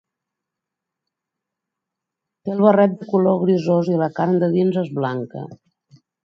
Té el barret de color grisós i la carn, de dins, és blanca.